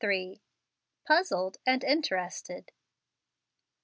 PUZZLED AND INTERESTED.